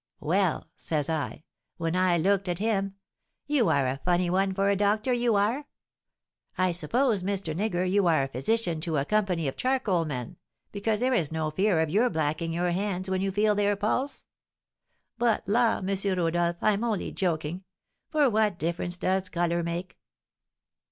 'Well,' says I, when I looked at him, 'you are a funny one for a doctor, you are! I suppose, Mr. Nigger, you are physician to a company of charcoalmen, because there is no fear of your blacking your hands when you feel their pulse?' But la, M. Rodolph, I'm only joking! For what difference does colour make?